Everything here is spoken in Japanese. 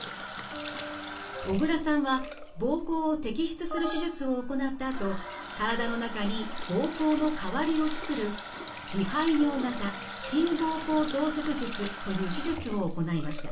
小倉さんは膀胱を摘出する手術を行ったあと体の中に膀胱の代わりをつくる自排尿型新膀胱造設術という手術を行いました。